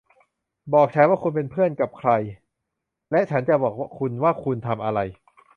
บอกฉันว่าคุณเป็นเพื่อนกับใครและฉันจะบอกคุณว่าคุณทำอะไร